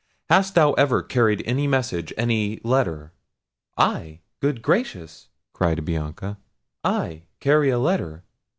Hast thou ever carried any message, any letter?" "I! good gracious!" cried Bianca; "I carry a letter?